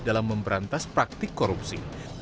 dalam memberantas praktik korupsi